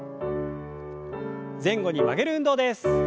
前後に曲げる運動です。